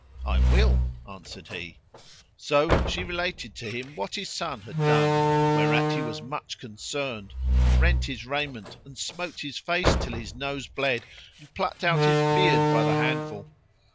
"I will," answered he. So she related to him what his son had done, whereat he was much concerned and rent his raiment and smote his face till his nose bled, and plucked out his beard by the handful.